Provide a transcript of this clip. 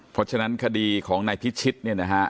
เพราะฉะนั้นคดีของนายพิชิตเนี่ยนะฮะ